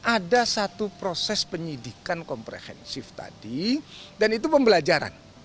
ada satu proses penyidikan komprehensif tadi dan itu pembelajaran